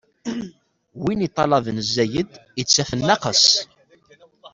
Win iṭṭalaben zzayed, ittaf nnaqes.